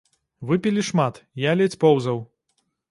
Выпілі шмат, я ледзь поўзаў.